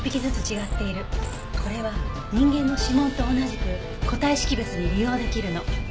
これは人間の指紋と同じく個体識別に利用できるの。